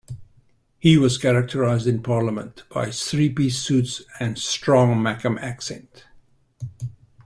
He was characterised in parliament by his three-piece suits and strong 'Mackem' accent.